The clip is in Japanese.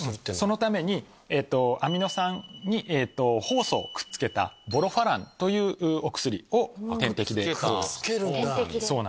そのためにアミノ酸にホウ素をくっつけたボロファランというお薬を点滴で投与。